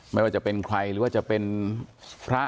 ไม่ว่าจะเป็นใครหรือว่าจะเป็นพระ